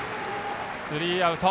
スリーアウト。